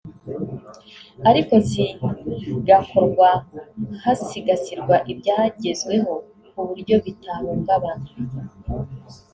ariko zigakorwa hasigasirwa ibyagezweho ku buryo bitahungabana